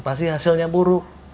pasti hasilnya buruk